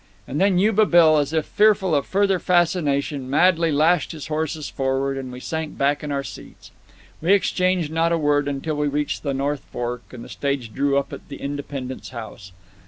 And then Yuba Bill, as if fearful of further fascination, madly lashed his horses forward, and we sank back in our seats. We exchanged not a word until we reached the North Fork, and the stage drew up at the Independence House.